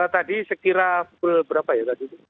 tadi sekitar pukul berapa ya